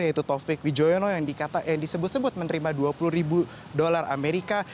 yaitu taufik wijoyono yang disebut sebut menerima dua puluh ribu dolar amerika